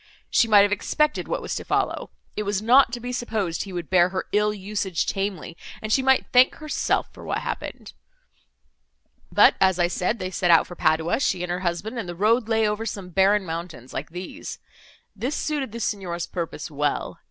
She might have expected what was to follow; it was not to be supposed he would bear her ill usage tamely, and she might thank herself for what happened. But, as I said, they set out for Padua, she and her husband, and the road lay over some barren mountains like these. This suited the Signor's purpose well.